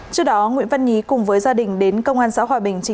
trước đó nguyễn văn nhí cùng với gia đình đến công an xã hòa bình